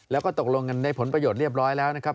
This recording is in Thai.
แล้วก็ตกลงกันในผลประโยชน์เรียบร้อยแล้วนะครับ